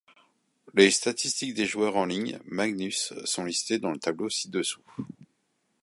Les statistiques des joueurs en Ligue Magnus sont listées dans le tableau ci-dessous.